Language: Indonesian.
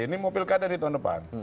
ini mau pilkada di tahun depan